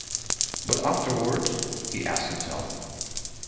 But afterwards? he asked himself.